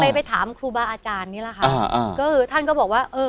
ไปไปถามครูบาอาจารย์นี่แหละค่ะอ่าก็คือท่านก็บอกว่าเออ